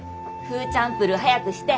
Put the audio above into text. フーチャンプルー早くして。